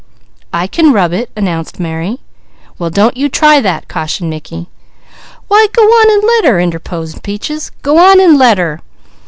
"I can rub it," announced Mary. "Well don't you try that," cautioned Mickey. "Why go on and let her!" interposed Peaches. "Go on and let her!